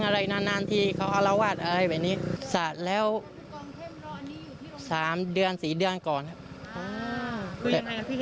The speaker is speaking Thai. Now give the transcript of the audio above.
คือยังไงพี่เห็นการตอนนั้นแล้วผมสำหรับ